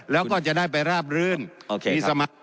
แล้วก็จะได้ไปราบรื่นมีสมัคร